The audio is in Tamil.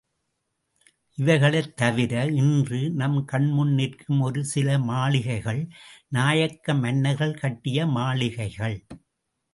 இவைகளைத் தவிர, இன்று நம் கண் முன் நிற்கும் ஒரு சில மாளிகைகள், நாயக்க மன்னர்கள் கட்டிய மாளிகைகள்.